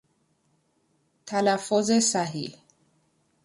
تلفظ صحیح